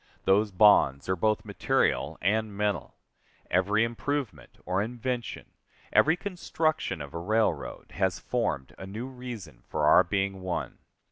Those bonds are both material and mental. Every improvement or invention, every construction of a railroad, has formed a new reason for our being one.